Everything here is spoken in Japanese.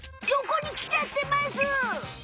よこにきちゃってます！